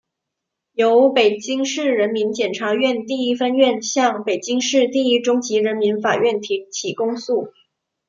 由北京市人民检察院第一分院向北京市第一中级人民法院提起公诉